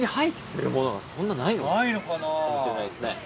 ないのかな。かもしれないですね。